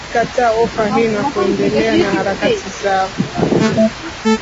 walikataa ofa hii na kuendelea na harakati zao